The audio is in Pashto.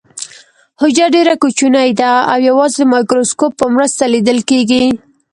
حجره ډیره کوچنۍ ده او یوازې د مایکروسکوپ په مرسته لیدل کیږي